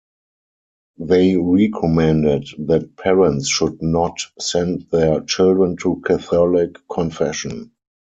They recommended that parents should not send their children to Catholic confession.